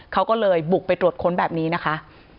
เขาก็เลยบุกไปตรวจค้นแบบนี้นะคะ